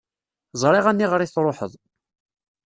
Ẓriɣ aniɣer i truḥeḍ.